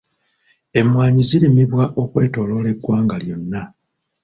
Emmwanyi zirimibwa okwetooloola eggwanga lyonna.